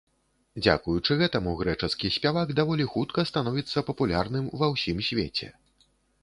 Дзякуючы гэтаму, грэчаскі спявак даволі хутка становіцца папулярным ва ўсім свеце.